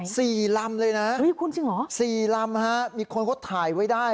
สี่ลำเลยนะฮะสี่ลำฮะมีคนเขาถ่ายไว้ได้